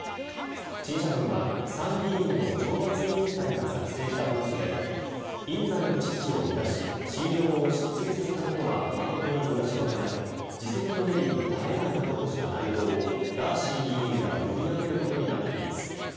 陳謝文は参議院の懲罰委員会が作成した文書で院内の秩序を乱し信用を失墜させたことは誠に申し訳なく自責の念に堪えないなどとした内容をガーシー議員が読み上げることになっています。